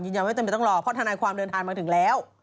ไม่จำเป็นต้องรอเพราะทนายความเดินทางมาถึงแล้ว